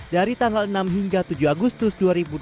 dari tanggal enam hingga tujuh agustus dua ribu dua puluh